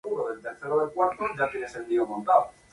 En Trans.